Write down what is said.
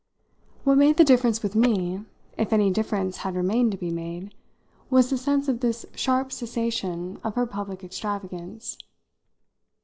What made the difference with me if any difference had remained to be made was the sense of this sharp cessation of her public extravagance.